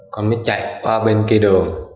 tùng mới chạy qua bên kia đường